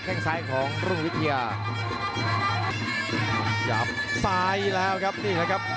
แค่งซ้ายของรุ่งวิทยาจับซ้ายแล้วครับนี่แหละครับ